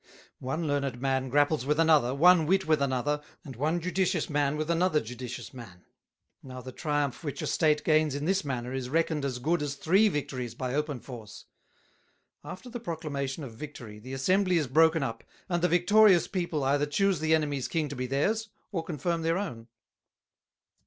"One Learned Man grapples with another, one Wit with another, and one Judicious Man with another Judicious Man: Now the Triumph which a State gains in this manner is reckoned as good as three Victories by open force. After the Proclamation of Victory, the Assembly is broken up, and the Victorious People either chuse the Enemies King to be theirs, or confirm their own."